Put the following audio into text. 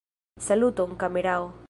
Saluton kamerao!